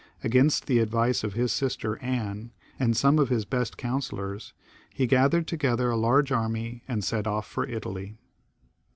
Against the advice of his . sister Anne, and some of his best councillors, he gathered together a large army, and set off for Italy.